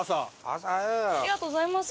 ありがとうございます。